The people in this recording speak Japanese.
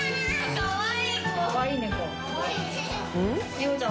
かわいい。